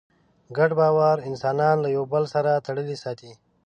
ګډ باور انسانان له یوه بل سره تړلي ساتي.